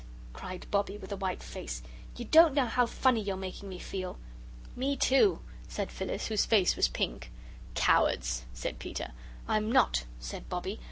cried Bobbie, with a white face; "you don't know how funny you're making me feel." "Me, too," said Phyllis, whose face was pink. "Cowards!" said Peter. "I'm not," said Bobbie.